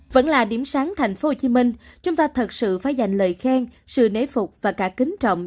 vẫn là điểm sáng thành phố hồ chí minh chúng ta thật sự phải dành lời khen sự nế phục và cả kính trọng